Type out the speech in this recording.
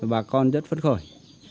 bà con rất phất khởi